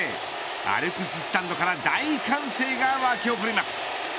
アルプススタンドから大歓声が湧き起こります。